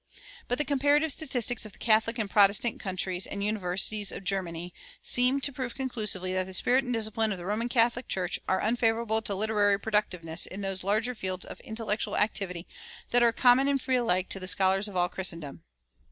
But the comparative statistics of the Catholic and the Protestant countries and universities of Germany seem to prove conclusively that the spirit and discipline of the Roman Church are unfavorable to literary productiveness in those large fields of intellectual activity that are common and free alike to the scholars of all Christendom.